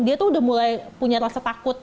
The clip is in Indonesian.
dia tuh udah mulai punya rasa takut